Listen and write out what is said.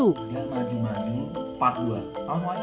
lampung tidak maju maju part dua